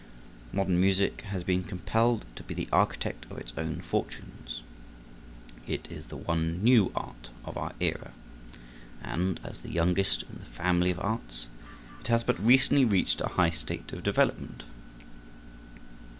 Modern music has been compelled to be the architect of its own fortunes. It is the one new art of our era, and, as the youngest in the family of arts, it has but recently reached a high state of development.